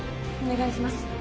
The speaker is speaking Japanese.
お願いします。